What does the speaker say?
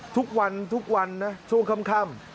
ทุกวันช่วงค่ำ